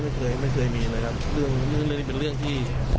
ไม่เคยไม่เคยมีเลยครับเรื่องเรื่องนี้เป็นเรื่องที่